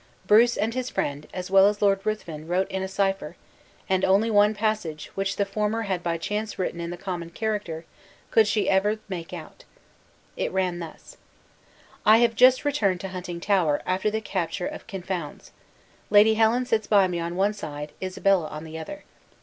Bruce and his friend, as well as Ruthven, wrote in a cipher, and only one passage, which the former had by chance written in the common character, could she ever make out. It ran thus: "I have just returned to Huntingtower, after the capture of Kinfouns. Lady Helen sits by me on one side, Isabella on the other.